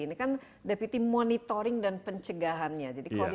ini kan deputi monitoring dan pencegahannya